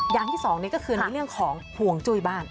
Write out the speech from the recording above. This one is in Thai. อย่างที่สองนี่ก็คือในเรื่องของห่วงจุ้ยบ้าน